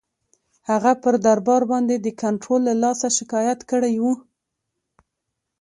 هغه پر دربار باندي د کنټرول له لاسه شکایت کړی وو.